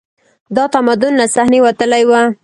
دا تمدن له صحنې وتلی و